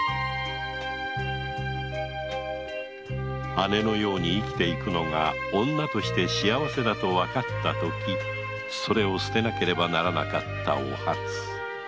姉のように生きていくのが女として幸せだとわかったときそれを捨てなければならなかったおはつ